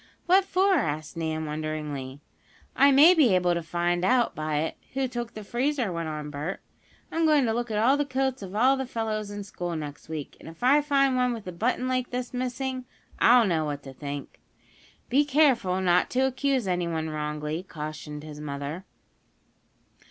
"What for?" asked Nan, wonderingly. "I may be able to find out by it, who took the freezer," went on Bert. "I'm going to look at the coats of all the fellows in school next week, and if I find one with the button like this missing, I'll know what to think." "Be careful not to accuse anyone wrongly," cautioned his mother.